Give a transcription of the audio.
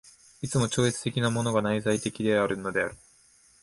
いつも超越的なるものが内在的であるのである。